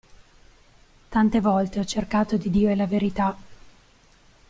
Tante volte ho cercato di dire la verità.